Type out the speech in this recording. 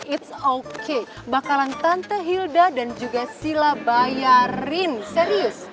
it's okay bakalan tante hilda dan juga sila bayarin serius